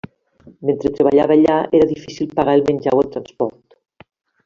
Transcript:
Mentre treballava allà era difícil pagar el menjar o el transport.